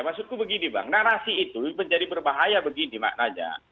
maksudku begini bang narasi itu menjadi berbahaya begini mak naza